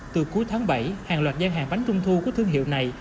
từ cuối tháng bảy hàng loạt gian hàng bánh trung thu của thương hiệu này